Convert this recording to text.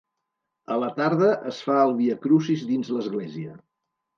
A la tarda es fa el viacrucis dins l'església.